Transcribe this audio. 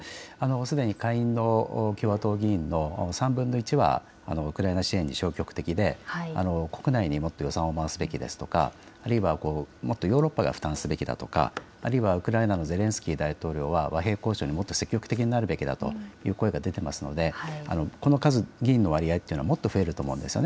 すでに下院の共和党議員の３分の１はウクライナ支援に消極的で国内にもっと予算を回すべきですとかあるいはもっとヨーロッパが負担すべきだとか、あるいはウクライナのゼレンスキー大統領は和平交渉にもっと積極的になるべきだという声が出ていますので、この議員の割合というのはもっと増えると思います。